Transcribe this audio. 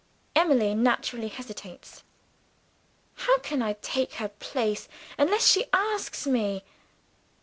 Emily naturally hesitates. "How can I take her place, unless she asks me?"